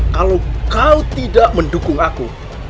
kalau kau tidak mendukung aku